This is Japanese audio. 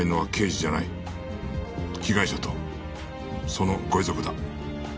被害者とそのご遺族だ。